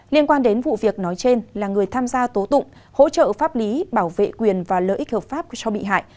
liên quan đến vụ việc nói trên là người tham gia tố tụng hỗ trợ pháp lý bảo vệ quyền và lợi ích hợp pháp cho bị hại